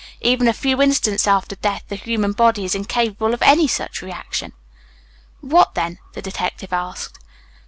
Even a few instants after death the human body is incapable of any such reaction." "What then?" the detective asked.